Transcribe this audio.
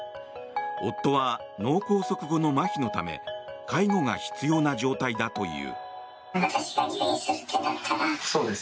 夫は脳梗塞後のまひのため介護が必要な状態だという。